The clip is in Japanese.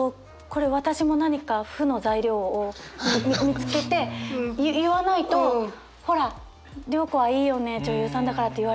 これ私も何か負の材料を見つけて言わないと「ほら涼子はいいよね女優さんだから」って言われちゃうと思って。